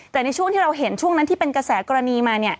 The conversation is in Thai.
แต่ในช่วงที่เราเห็นช่วงนั้นที่เป็นกระแสกรณีมา